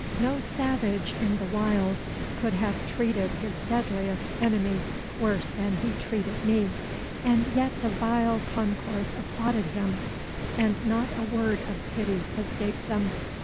No savage in the wilds could have treated his deadliest enemy worse than he treated me; and yet the vile concourse applauded him, and not a word of pity escaped them.